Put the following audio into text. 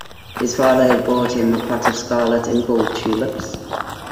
His father had bought him a pot of scarlet and gold tulips.